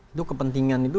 itu kepentingan itu